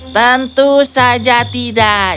tentu saja tidak